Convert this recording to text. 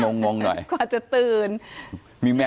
นี้อ่ะให้เจ๋ยูเลยไหม